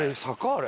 あれ。